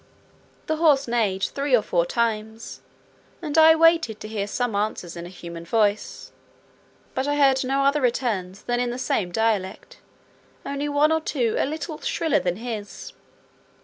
The horse neighed three or four times, and I waited to hear some answers in a human voice, but I heard no other returns than in the same dialect, only one or two a little shriller than his.